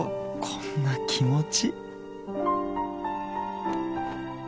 こんな気持ち。